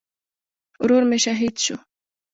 ورور مې شهید شو